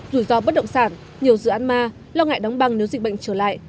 rủi ro bất động sản nhiều dự án ma lo ngại đóng băng nếu dịch bệnh trở lại